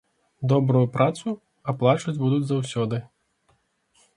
Добрую працу аплачваць будуць заўсёды.